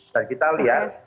dan kita lihat